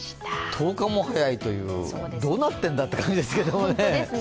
１０日も早いっていうどうなっているんだという感じですね。